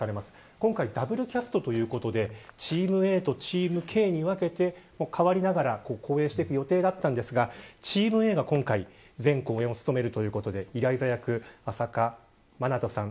今回はダブルキャストということでチームＡとチームＫに分けて替わりながら公演していく予定でしたがチームＡが今回全公演を務めるということでイライザ役、朝夏まなとさん